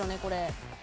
これ。